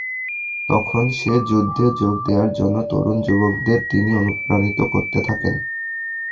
তখন থেকে যুদ্ধে যোগ দেওয়ার জন্য তরুণ-যুবকদের তিনি অনুপ্রাণিত করতে থাকেন।